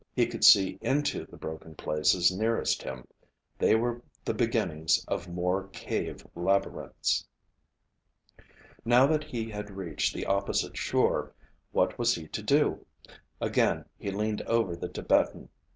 He could see into the broken places nearest him. They were the beginnings of more cave labyrinths. Now that he had reached the opposite shore, what was he to do? Again he leaned over the Tibetan.